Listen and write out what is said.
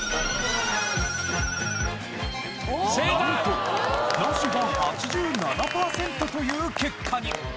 なんとナシが８７パーセントという結果に。